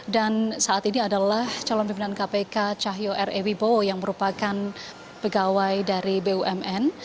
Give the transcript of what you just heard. dan saat ini adalah calon pimpinan kpk cahyo r ewi bowo yang merupakan pegawai dari bumn